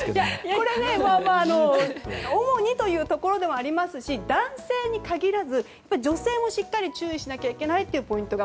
これ主にというところではありますし男性に限らず女性もしっかり注意しなきゃいけないというポイントが。